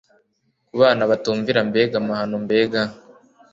ku bana batumvira Mbega amahano mbega